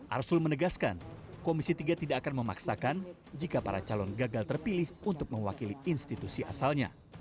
arsul menegaskan komisi tiga tidak akan memaksakan jika para calon gagal terpilih untuk mewakili institusi asalnya